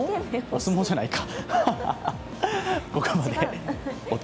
お相撲じゃないか。